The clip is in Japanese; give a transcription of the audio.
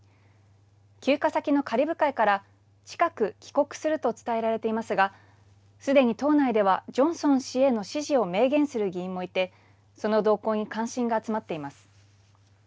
休暇先のカリブ海から近く帰国すると伝えられていますがすでに党内ではジョンソン氏への支持を明言する議員もいてその動向に関心が集まっています。